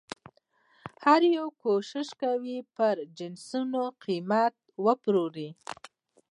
هر یو کوښښ کوي پرې جنسونه قیمته وپلوري.